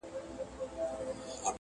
اول نوک ځاى که، بيا سوک.